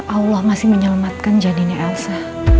allah masih menyelamatkan jadinya elsa